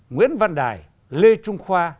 nguyễn văn đài lê trung khoa